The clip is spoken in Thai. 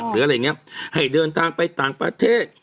หรืออะไรอย่างนี้ให้เดินทางไปต่างประเทศ